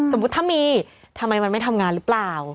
สมมุติถ้ามีทำไมมันไม่ทำงานหรือเปล่า